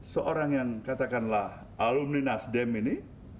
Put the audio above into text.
seorang yang katakanlah alumni nasdem ini